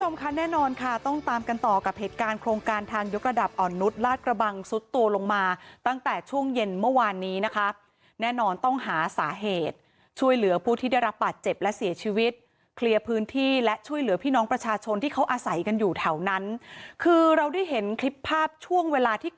ค่ะแน่นอนค่ะต้องตามกันต่อกับเหตุการณ์โครงการทางยกระดับอ่อนนุษย์ลาดกระบังซุดตัวลงมาตั้งแต่ช่วงเย็นเมื่อวานนี้นะคะแน่นอนต้องหาสาเหตุช่วยเหลือผู้ที่ได้รับบาดเจ็บและเสียชีวิตเคลียร์พื้นที่และช่วยเหลือพี่น้องประชาชนที่เขาอาศัยกันอยู่แถวนั้นคือเราได้เห็นคลิปภาพช่วงเวลาที่